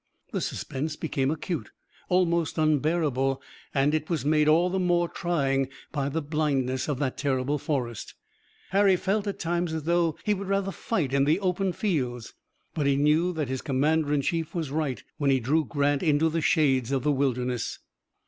The suspense became acute, almost unbearable, and it was made all the more trying by the blindness of that terrible forest. Harry felt at times as if he would rather fight in the open fields; but he knew that his commander in chief was right when he drew Grant into the shades of the Wilderness.